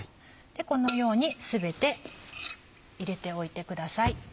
このように全て入れておいてください。